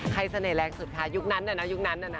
ใครเสน่ห์แรงสุดค่ะยุคนั้นเดินนะยุคนั้นเดินนะ